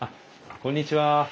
こんにちは。